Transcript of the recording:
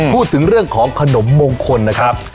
พูดถึงเรื่องของขนมมงคลนะครับ